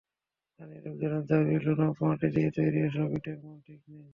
স্থানীয় লোকজনের দাবি, লোনা মাটি দিয়ে তৈরি এসব ইটের মান ঠিক নেই।